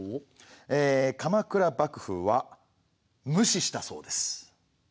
ええ鎌倉幕府は無視したそうです。